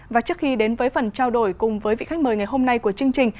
và trước khi đến với phần trao đổi cùng với vị khách mời ngày hôm nay của chương trình